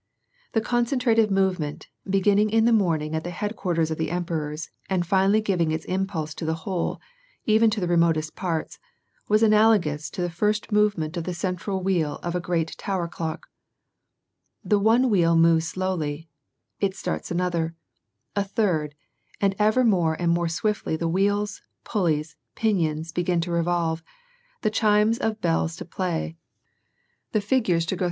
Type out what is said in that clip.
The concentrated movement, beginning in the morning at the headquarters of the emperors and finally giving its impulse to the whole, even to the remotest parts, was analogous to the first movement of the central wheel of a great tower clock The one wheel moves slowly, it starts another, — a third; and ever more and more swiftly the wheels, pulleys, pinions, begin to revolve, the chimes of bells to play, the figures to go J WAR AND PEACE.